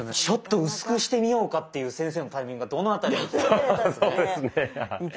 「ちょっと薄くしてみようか」っていう先生のタイミングがどの辺りだったのか。